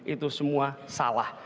itu semua salah